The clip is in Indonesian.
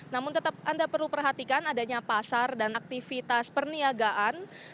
namun tetap anda perlu perhatikan adanya pasar dan aktivitas perniagaan